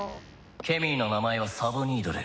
「ケミーの名前はサボニードル。